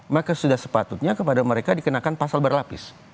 maka sudah sepatutnya kepada mereka dikenakan pasal berlapis